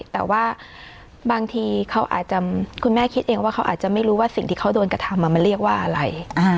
แต่ว่าบางทีเขาอาจจะคุณแม่คิดเองว่าเขาอาจจะไม่รู้ว่าสิ่งที่เขาโดนกระทำมันเรียกว่าอะไร